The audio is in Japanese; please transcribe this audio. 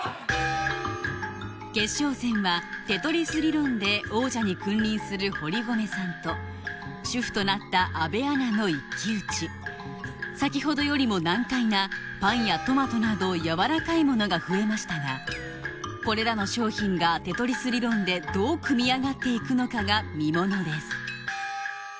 決勝戦はテトリス理論で王者に君臨する堀籠さんと主婦となった阿部アナの一騎打ち先ほどよりも難解なパンやトマトなどやわらかいものが増えましたがこれらの商品がテトリス理論でどう組み上がっていくのかが見ものです